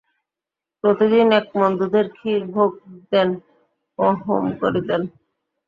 প্রতিদিন এক মণ দুধের ক্ষীর ভোগ দিতেন ও হোম করিতেন।